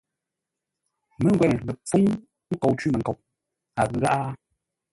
Mə́ngwə́nə lə pfúŋ nkou cwímənkoʼ, a ghʉ gháʼá ?